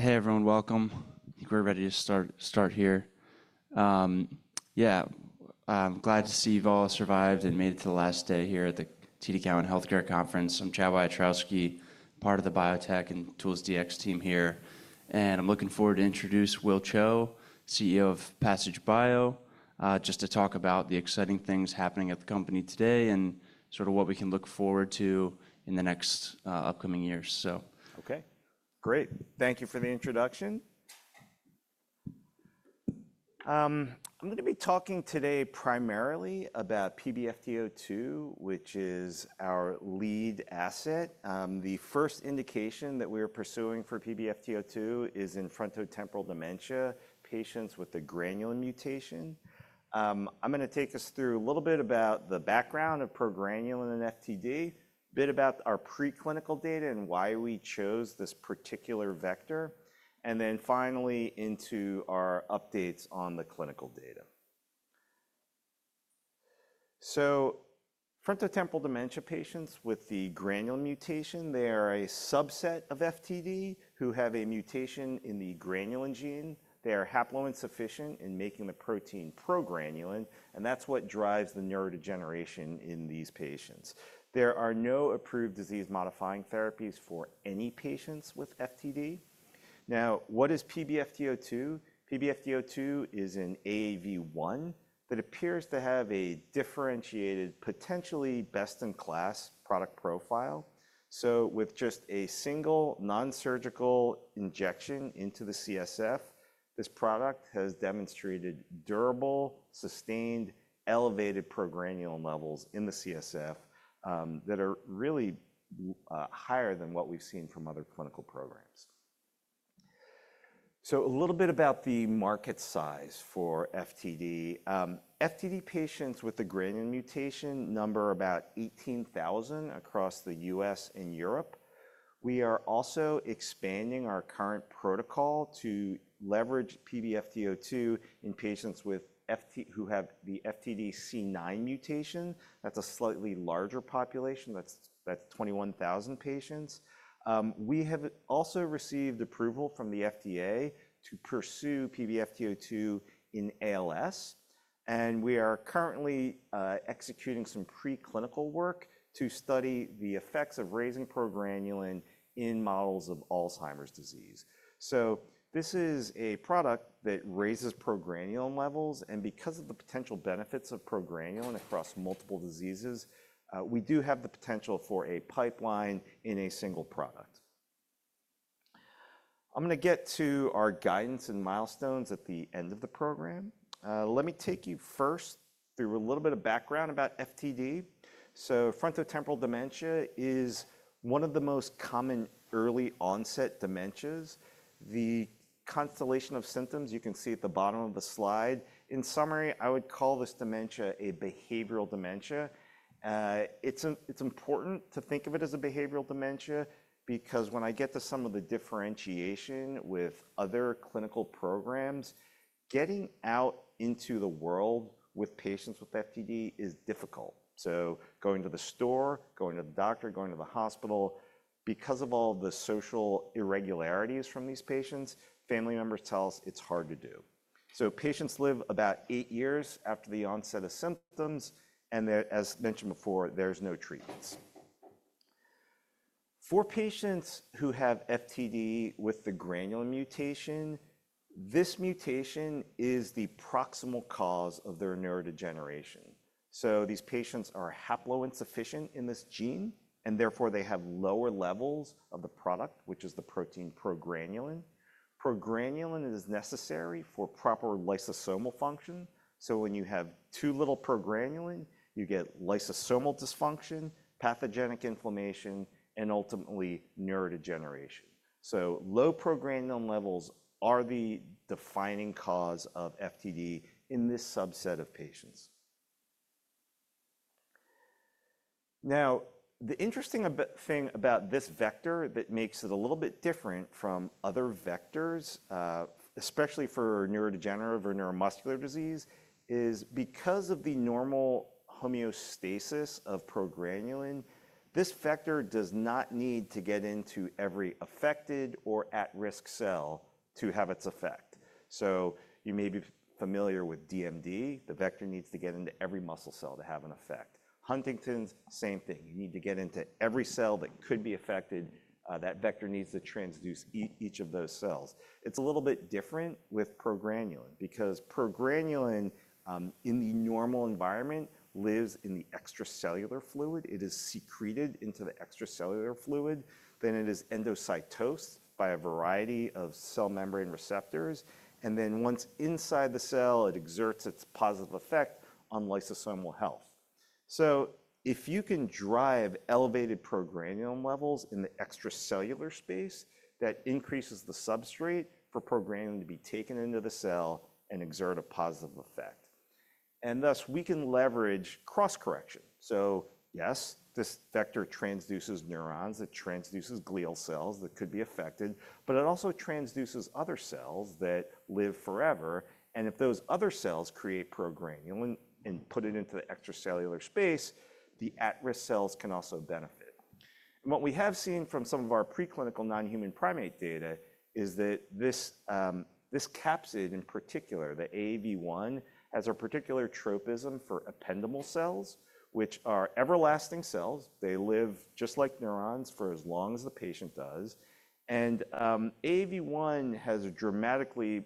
Hey, everyone. Welcome. I think we're ready to start here. Yeah, I'm glad to see you've all survived and made it to the last day here at the TD Cowen Healthcare Conference. I'm Chad Wiatrowski, part of the Biotech and Tools/Dx team here. I'm looking forward to introduce Will Chou, CEO of Passage Bio, just to talk about the exciting things happening at the company today and sort of what we can look forward to in the next upcoming years. OK, great. Thank you for the introduction. I'm going to be talking today primarily about PBFT02, which is our lead asset. The first indication that we are pursuing for PBFT02 is in frontotemporal dementia patients with a granulin mutation. I'm going to take us through a little bit about the background of progranulin and FTD, a bit about our preclinical data and why we chose this particular vector, and then finally into our updates on the clinical data. Frontotemporal dementia patients with the granulin mutation, they are a subset of FTD who have a mutation in the granulin gene. They are haploinsufficient in making the protein progranulin, and that's what drives the neurodegeneration in these patients. There are no approved disease-modifying therapies for any patients with FTD. Now, what is PBFT02? PBFT02 is an AAV1 that appears to have a differentiated, potentially best-in-class product profile. With just a single non-surgical injection into the CSF, this product has demonstrated durable, sustained, elevated progranulin levels in the CSF that are really higher than what we've seen from other clinical programs. A little bit about the market size for FTD. FTD patients with the granulin mutation number about 18,000 across the U.S. and Europe. We are also expanding our current protocol to leverage PBFT02 in patients who have the FTD C9 mutation. That's a slightly larger population. That's 21,000 patients. We have also received approval from the FDA to pursue PBFT02 in ALS. We are currently executing some preclinical work to study the effects of raising progranulin in models of Alzheimer's disease. This is a product that raises progranulin levels. Because of the potential benefits of progranulin across multiple diseases, we do have the potential for a pipeline in a single product. I'm going to get to our guidance and milestones at the end of the program. Let me take you first through a little bit of background about FTD. Frontotemporal dementia is one of the most common early-onset dementias. The constellation of symptoms you can see at the bottom of the slide. In summary, I would call this dementia a behavioral dementia. It's important to think of it as a behavioral dementia because when I get to some of the differentiation with other clinical programs, getting out into the world with patients with FTD is difficult. Going to the store, going to the doctor, going to the hospital, because of all the social irregularities from these patients, family members tell us it's hard to do. Patients live about eight years after the onset of symptoms. As mentioned before, there's no treatments. For patients who have FTD with the granulin mutation, this mutation is the proximal cause of their neurodegeneration. These patients are haploinsufficient in this gene. Therefore, they have lower levels of the product, which is the protein progranulin. Progranulin is necessary for proper lysosomal function. When you have too little progranulin, you get lysosomal dysfunction, pathogenic inflammation, and ultimately neurodegeneration. Low progranulin levels are the defining cause of FTD in this subset of patients. The interesting thing about this vector that makes it a little bit different from other vectors, especially for neurodegenerative or neuromuscular disease, is because of the normal homeostasis of progranulin, this vector does not need to get into every affected or at-risk cell to have its effect. You may be familiar with DMD. The vector needs to get into every muscle cell to have an effect. Huntington's, same thing. You need to get into every cell that could be affected. That vector needs to transduce each of those cells. It's a little bit different with progranulin because progranulin in the normal environment lives in the extracellular fluid. It is secreted into the extracellular fluid. Then it is endocytosed by a variety of cell membrane receptors. Then once inside the cell, it exerts its positive effect on lysosomal health. If you can drive elevated progranulin levels in the extracellular space, that increases the substrate for progranulin to be taken into the cell and exert a positive effect. Thus, we can leverage cross-correction. Yes, this vector transduces neurons that transduces glial cells that could be affected. It also transduces other cells that live forever. If those other cells create progranulin and put it into the extracellular space, the at-risk cells can also benefit. What we have seen from some of our preclinical non-human primate data is that this capsid, in particular, the AAV1, has a particular tropism for ependymal cells, which are everlasting cells. They live just like neurons for as long as the patient does. AAV1 has dramatically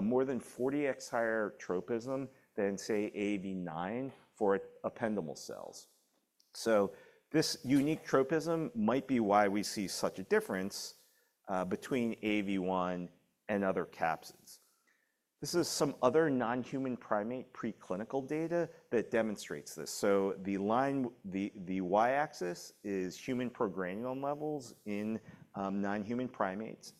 more than 40x higher tropism than, say, AAV9 for ependymal cells. This unique tropism might be why we see such a difference between AAV1 and other capsids. This is some other non-human primate preclinical data that demonstrates this. The y-axis is human progranulin levels in non-human primates.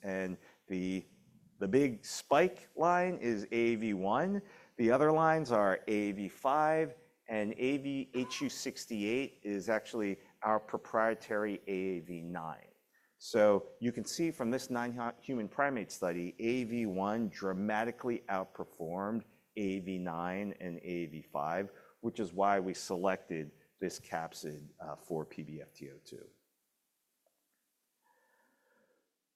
The big spike line is AAV1. The other lines are AAV5. AAVhu68 is actually our proprietary AAV9. You can see from this non-human primate study, AAV1 dramatically outperformed AAV9 and AAV5, which is why we selected this capsid for PBFT02.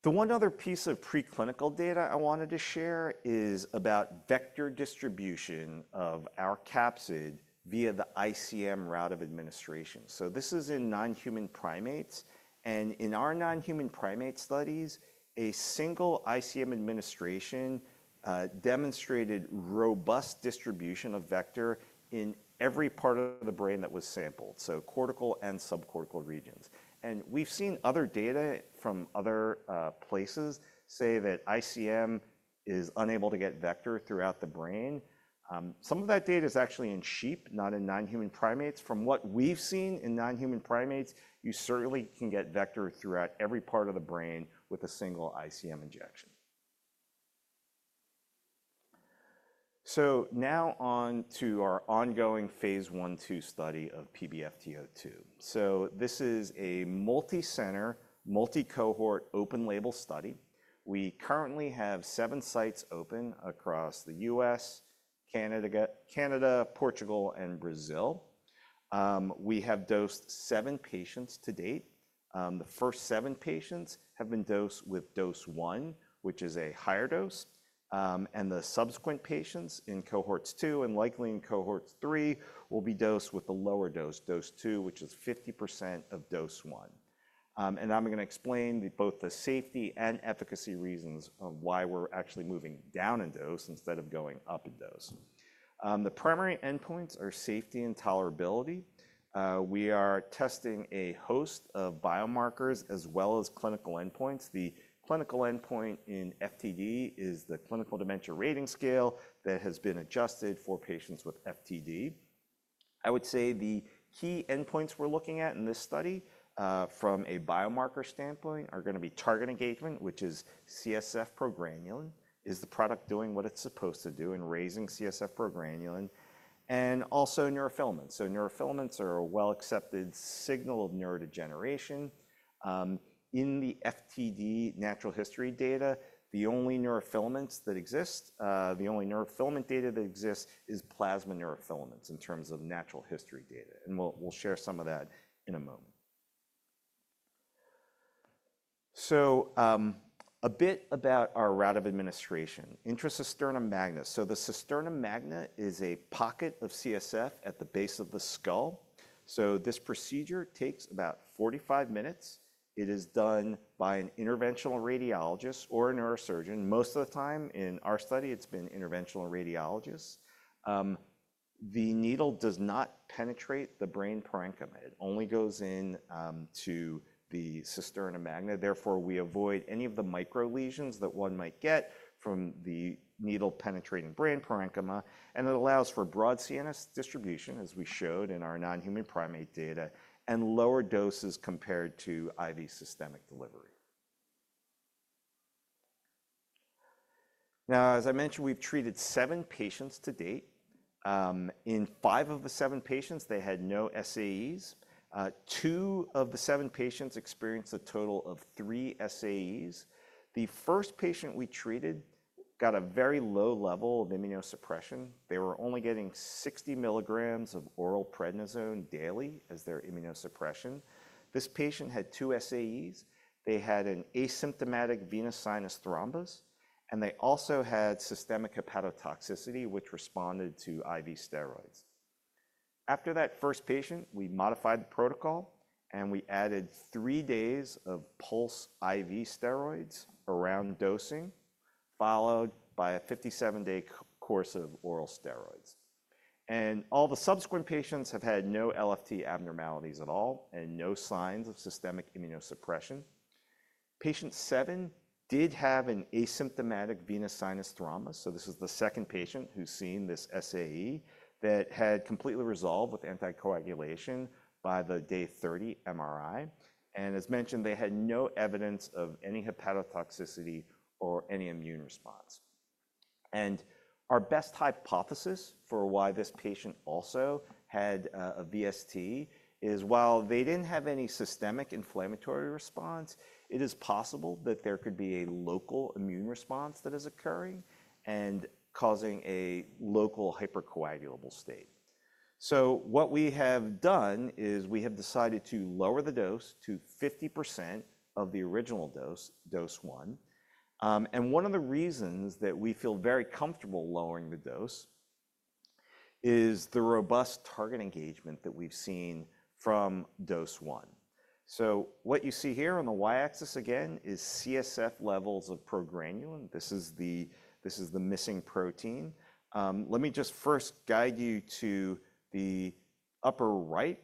The one other piece of preclinical data I wanted to share is about vector distribution of our capsid via the ICM route of administration. This is in non-human primates. In our non-human primate studies, a single ICM administration demonstrated robust distribution of vector in every part of the brain that was sampled, so cortical and subcortical regions. We have seen other data from other places say that ICM is unable to get vector throughout the brain. Some of that data is actually in sheep, not in non-human primates. From what we have seen in non-human primates, you certainly can get vector throughout every part of the brain with a single ICM injection. Now on to our ongoing phase 1-2 study of PBFT02. This is a multi-center, multi-cohort open-label study. We currently have seven sites open across the U.S., Canada, Portugal, and Brazil. We have dosed seven patients to date. The first seven patients have been dosed with dose 1, which is a higher dose. The subsequent patients in cohort 2 and likely in cohort 3 will be dosed with the lower dose, dose 2, which is 50% of dose 1. I'm going to explain both the safety and efficacy reasons of why we're actually moving down in dose instead of going up in dose. The primary endpoints are safety and tolerability. We are testing a host of biomarkers as well as clinical endpoints. The clinical endpoint in FTD is the Clinical Dementia Rating Scale that has been adjusted for patients with FTD. I would say the key endpoints we're looking at in this study from a biomarker standpoint are going to be target engagement, which is CSF progranulin. Is the product doing what it's supposed to do in raising CSF progranulin. Also neurofilaments. Neurofilaments are a well-accepted signal of neurodegeneration. In the FTD natural history data, the only neurofilament data that exists is plasma neurofilaments in terms of natural history data. We'll share some of that in a moment. A bit about our route of administration. Intra-cisterna magna. The cisterna magna is a pocket of CSF at the base of the skull. This procedure takes about 45 minutes. It is done by an interventional radiologist or a neurosurgeon. Most of the time in our study, it's been interventional radiologists. The needle does not penetrate the brain parenchyma. It only goes into the cisterna magna. Therefore, we avoid any of the micro lesions that one might get from the needle penetrating brain parenchyma. It allows for broad CNS distribution, as we showed in our non-human primate data, and lower doses compared to IV systemic delivery. As I mentioned, we've treated seven patients to date. In five of the seven patients, they had no SAEs. Two of the seven patients experienced a total of three SAEs. The first patient we treated got a very low level of immunosuppression. They were only getting 60 milligrams of oral prednisone daily as their immunosuppression. This patient had two SAEs. They had an asymptomatic venous sinus thrombus. They also had systemic hepatotoxicity, which responded to IV steroids. After that first patient, we modified the protocol. We added three days of pulse IV steroids around dosing, followed by a 57-day course of oral steroids. All the subsequent patients have had no LFT abnormalities at all and no signs of systemic immunosuppression. Patient 7 did have an asymptomatic venous sinus thrombus. This is the second patient who's seen this SAE that had completely resolved with anticoagulation by the day 30 MRI. As mentioned, they had no evidence of any hepatotoxicity or any immune response. Our best hypothesis for why this patient also had a VST is while they didn't have any systemic inflammatory response, it is possible that there could be a local immune response that is occurring and causing a local hypercoagulable state. What we have done is we have decided to lower the dose to 50% of the original dose, dose 1. One of the reasons that we feel very comfortable lowering the dose is the robust target engagement that we've seen from dose 1. What you see here on the y-axis again is CSF levels of progranulin. This is the missing protein. Let me just first guide you to the upper right.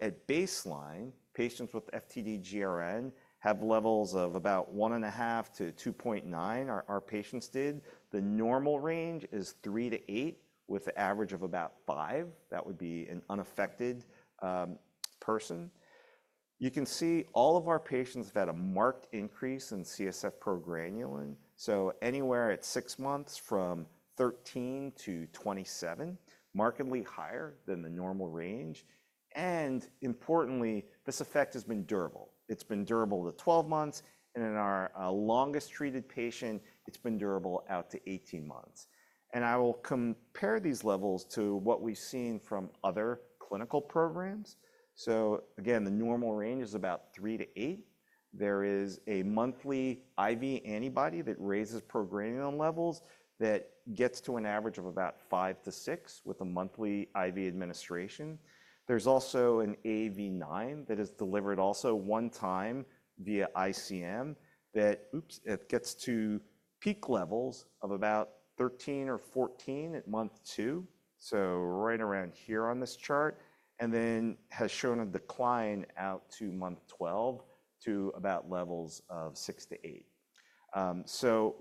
At baseline, patients with FTD GRN have levels of about 1.5-2.9. Our patients did. The normal range is 3-8 with an average of about 5. That would be an unaffected person. You can see all of our patients have had a marked increase in CSF progranulin. Anywhere at six months from 13-27, markedly higher than the normal range. Importantly, this effect has been durable. It has been durable to 12 months. In our longest treated patient, it has been durable out to 18 months. I will compare these levels to what we have seen from other clinical programs. The normal range is about 3-8. There is a monthly IV antibody that raises progranulin levels that gets to an average of about 5-6 with a monthly IV administration. There is also an AAV9 that is delivered also one time via ICM that, oops, it gets to peak levels of about 13 or 14 at month 2, right around here on this chart, and then has shown a decline out to month 12 to about levels of 6-8.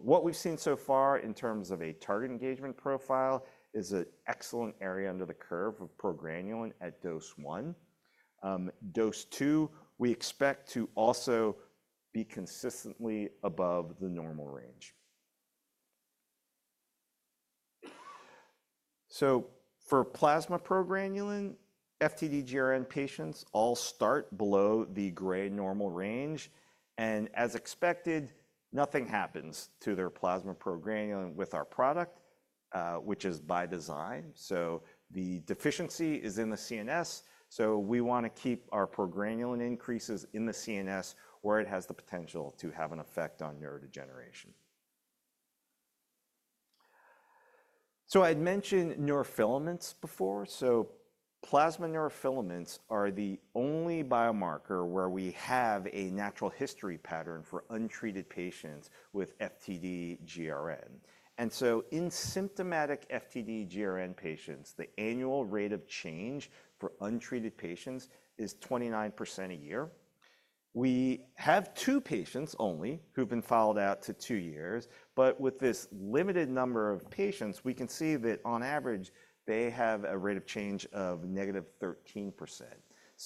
What we have seen so far in terms of a target engagement profile is an excellent area under the curve of progranulin at dose 1. Dose 2, we expect to also be consistently above the normal range. For plasma progranulin, FTD GRN patients all start below the gray normal range. As expected, nothing happens to their plasma progranulin with our product, which is by design. The deficiency is in the CNS. We want to keep our progranulin increases in the CNS where it has the potential to have an effect on neurodegeneration. I had mentioned neurofilaments before. Plasma neurofilaments are the only biomarker where we have a natural history pattern for untreated patients with FTD GRN. In symptomatic FTD GRN patients, the annual rate of change for untreated patients is 29% a year. We have two patients only who have been followed out to two years. With this limited number of patients, we can see that on average, they have a rate of change of negative 13%.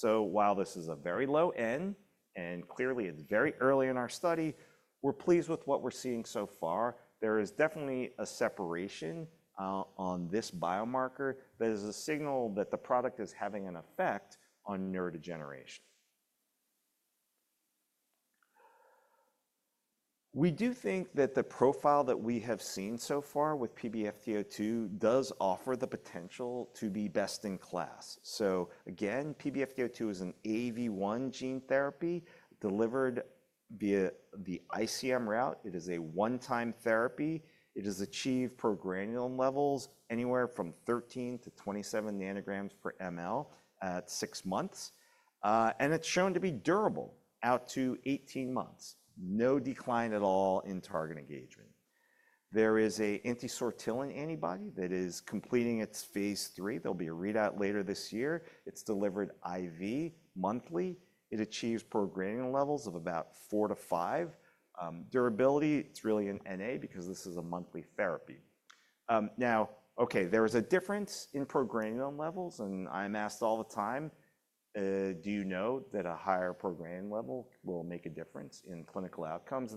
While this is a very low end, and clearly it is very early in our study, we are pleased with what we are seeing so far. There is definitely a separation on this biomarker that is a signal that the product is having an effect on neurodegeneration. We do think that the profile that we have seen so far with PBFT02 does offer the potential to be best in class. PBFT02 is an AAV1 gene therapy delivered via the ICM route. It is a one-time therapy. It has achieved progranulin levels anywhere from 13-27 ng per mL at six months. It has shown to be durable out to 18 months. No decline at all in target engagement. There is an anti-sortilin antibody that is completing its phase III. There will be a readout later this year. It is delivered IV monthly. It achieves progranulin levels of about 4-5. Durability, it is really an NA because this is a monthly therapy. Now, OK, there is a difference in progranulin levels. I am asked all the time, do you know that a higher progranulin level will make a difference in clinical outcomes?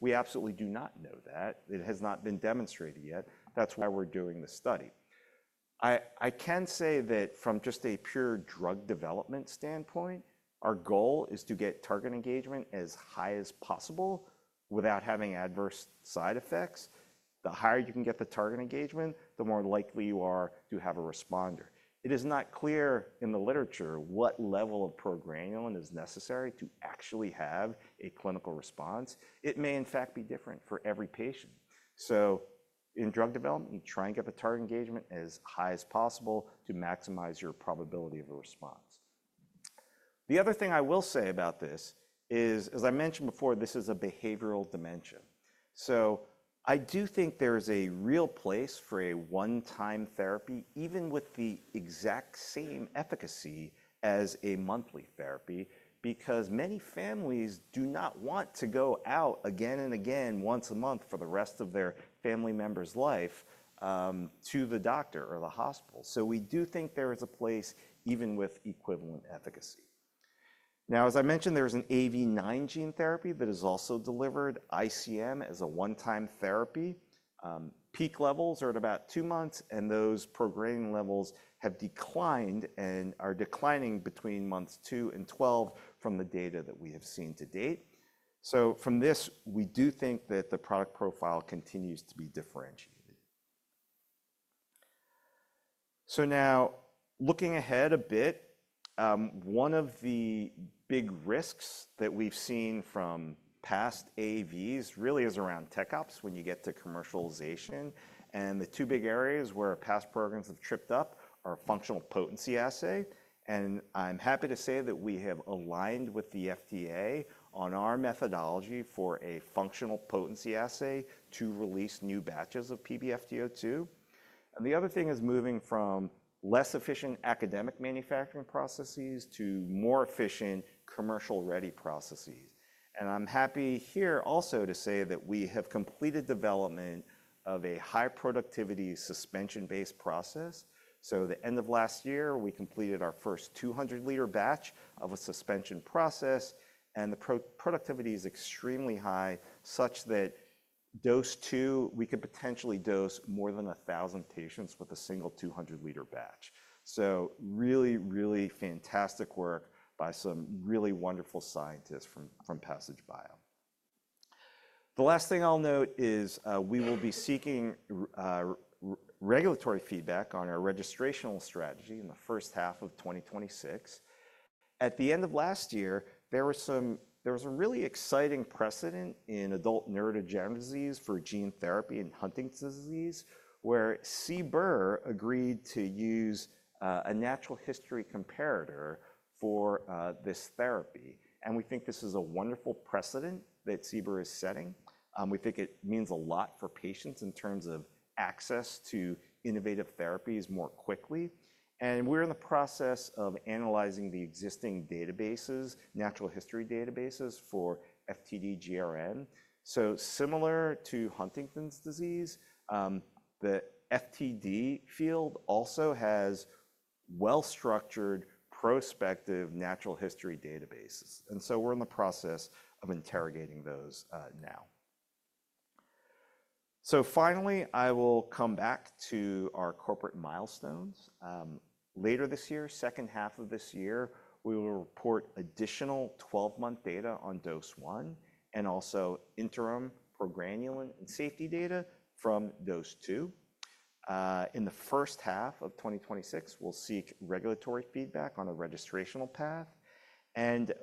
We absolutely do not know that. It has not been demonstrated yet. That is why we are doing the study. I can say that from just a pure drug development standpoint, our goal is to get target engagement as high as possible without having adverse side effects. The higher you can get the target engagement, the more likely you are to have a responder. It is not clear in the literature what level of progranulin is necessary to actually have a clinical response. It may, in fact, be different for every patient. In drug development, you try and get the target engagement as high as possible to maximize your probability of a response. The other thing I will say about this is, as I mentioned before, this is a behavioral dementia. I do think there is a real place for a one-time therapy, even with the exact same efficacy as a monthly therapy, because many families do not want to go out again and again once a month for the rest of their family member's life to the doctor or the hospital. We do think there is a place even with equivalent efficacy. As I mentioned, there is an AAV9 gene therapy that is also delivered ICM as a one-time therapy. Peak levels are at about two months. Those progranulin levels have declined and are declining between months 2 and 12 from the data that we have seen to date. From this, we do think that the product profile continues to be differentiated. Now looking ahead a bit, one of the big risks that we've seen from past AAVs really is around tech ops when you get to commercialization. The two big areas where past programs have tripped up are functional potency assay. I'm happy to say that we have aligned with the FDA on our methodology for a functional potency assay to release new batches of PBFT02. The other thing is moving from less efficient academic manufacturing processes to more efficient commercial-ready processes. I'm happy here also to say that we have completed development of a high productivity suspension-based process. At the end of last year, we completed our first 200 L batch of a suspension process. The productivity is extremely high, such that dose 2, we could potentially dose more than 1,000 patients with a single 200 L batch. Really, really fantastic work by some really wonderful scientists from Passage Bio. The last thing I'll note is we will be seeking regulatory feedback on our registrational strategy in the first half of 2026. At the end of last year, there was a really exciting precedent in adult neurodegenerative disease for gene therapy and Huntington's disease, where CBER agreed to use a natural history comparator for this therapy. We think this is a wonderful precedent that CBER is setting. We think it means a lot for patients in terms of access to innovative therapies more quickly. We're in the process of analyzing the existing databases, natural history databases for FTD GRN. Similar to Huntington's disease, the FTD field also has well-structured prospective natural history databases. We're in the process of interrogating those now. Finally, I will come back to our corporate milestones. Later this year, second half of this year, we will report additional 12-month data on dose 1 and also interim progranulin and safety data from dose 2. In the first half of 2026, we will seek regulatory feedback on a registrational path.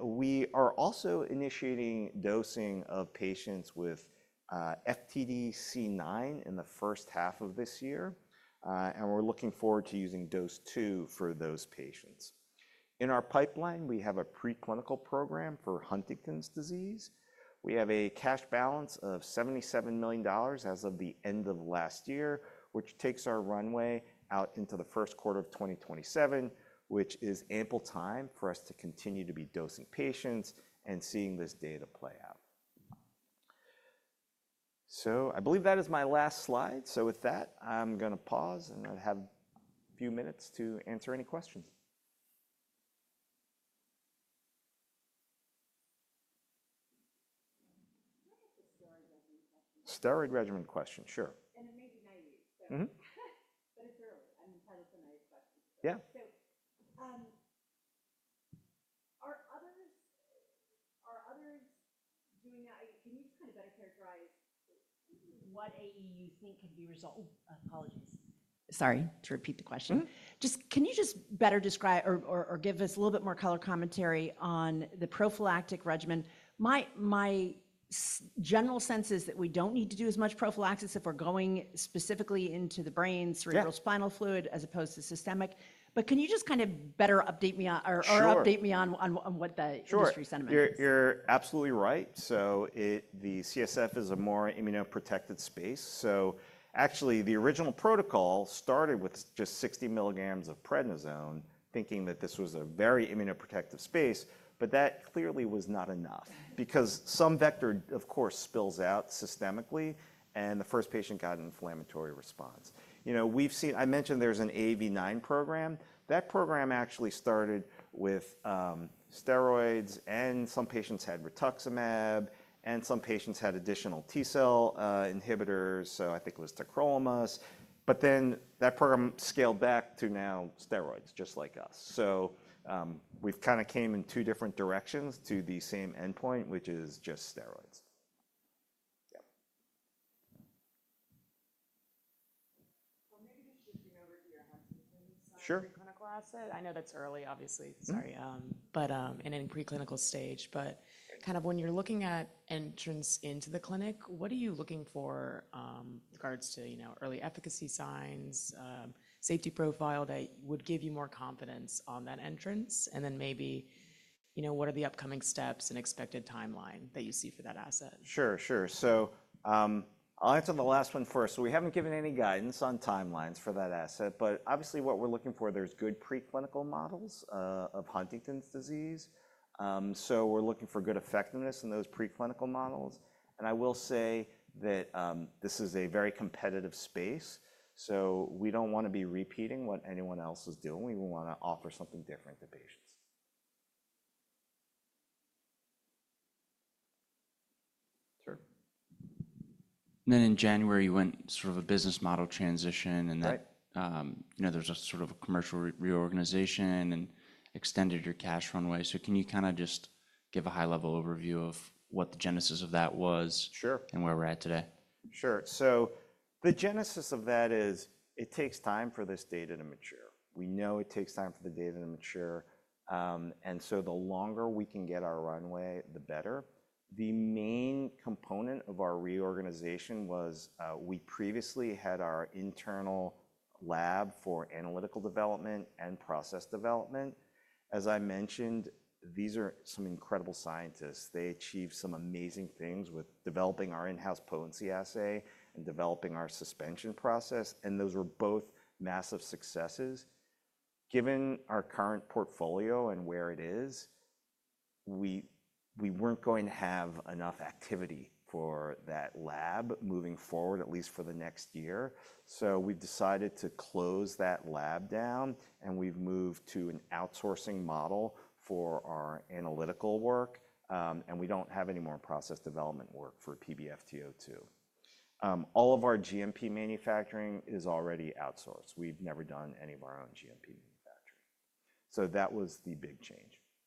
We are also initiating dosing of patients with FTD C9 in the first half of this year. We are looking forward to using dose 2 for those patients. In our pipeline, we have a preclinical program for Huntington's disease. We have a cash balance of $77 million as of the end of last year, which takes our runway out into the first quarter of 2027, which is ample time for us to continue to be dosing patients and seeing this data play out. I believe that is my last slide. With that, I am going to pause and I have a few minutes to answer any questions. Steroid regimen question. Steroid regimen question, sure. It may be naive. It is early. I am entitled to naive questions. Yeah. Are others doing that? Can you kind of better characterize what AAV you think could be resolved? Oh, apologies. Sorry to repeat the question. Can you just better describe or give us a little bit more color commentary on the prophylactic regimen? My general sense is that we do not need to do as much prophylaxis if we are going specifically into the brain, cerebrospinal fluid, as opposed to systemic. Can you just kind of better update me or update me on what the industry sentiment is? Sure. You are absolutely right. The CSF is a more immunoprotected space. Actually, the original protocol started with just 60 mg of prednisone, thinking that this was a very immunoprotective space. That clearly was not enough because some vector, of course, spills out systemically. The first patient got an inflammatory response. I mentioned there is an AAV9 program. That program actually started with steroids. Some patients had rituximab. Some patients had additional T cell inhibitors. I think it was tacrolimus. That program scaled back to now steroids, just like us. We have kind of come in two different directions to the same endpoint, which is just steroids. Maybe just shifting over to your Huntington's preclinical asset. I know that is early, obviously. Sorry. In a preclinical stage. When you are looking at entrance into the clinic, what are you looking for in regards to early efficacy signs, safety profile that would give you more confidence on that entrance? Maybe what are the upcoming steps and expected timeline that you see for that asset? Sure, sure. I'll answer the last one first. We have not given any guidance on timelines for that asset. Obviously, what we are looking for, there are good preclinical models of Huntington's disease. We are looking for good effectiveness in those preclinical models. I will say that this is a very competitive space. We do not want to be repeating what anyone else is doing. We want to offer something different to patients. In January, you went through sort of a business model transition. There was a sort of a commercial reorganization and you extended your cash runway. Can you just give a high-level overview of what the genesis of that was and where we are at today? Sure. The genesis of that is it takes time for this data to mature. We know it takes time for the data to mature. The longer we can get our runway, the better. The main component of our reorganization was we previously had our internal lab for analytical development and process development. As I mentioned, these are some incredible scientists. They achieved some amazing things with developing our in-house potency assay and developing our suspension process. Those were both massive successes. Given our current portfolio and where it is, we were not going to have enough activity for that lab moving forward, at least for the next year. We have decided to close that lab down. We have moved to an outsourcing model for our analytical work. We do not have any more process development work for PBFT02. All of our GMP manufacturing is already outsourced. We've never done any of our own GMP manufacturing. That was the big change.